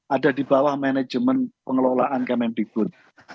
ada di bawah manajemen pengelolaan kementerian pertanian